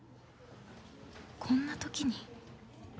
こんな時に？